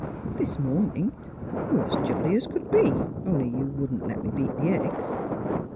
'' This morning you were as jolly as could be, only you wouldn't let me beat the eggs."